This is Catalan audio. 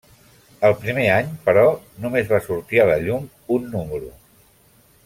El primer any, però, només va sortir a la llum un número.